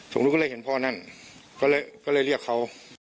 หนูรู้ก็เลยเห็นพ่อนั่นก็เลยเรียกเขา